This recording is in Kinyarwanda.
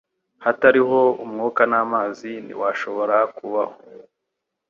Hatariho umwuka n'amazi, ntitwashobora kubaho.